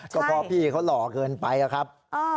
ก็เพราะพี่เขาหล่อเกินไปครับ